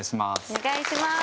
お願いします。